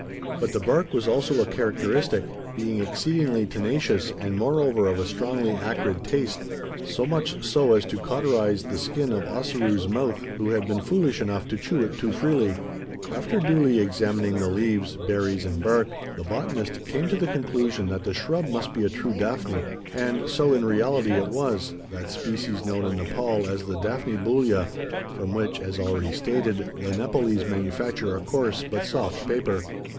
But the bark was also a characteristic: being exceedingly tenacious, and moreover of a strongly acrid taste so much so as to cauterise he skin of Ossaroo's mouth, who had been foolish enough to chew it too freely. After duly examining the leaves, berries, and bark, the botanist came to the conclusion that the shrub must be a true daphne; and so in reality it was that species known in Nepaul as the Daphne Bholua from which, as already stated, the Nepaulese manufacture a coarse, but soft paper.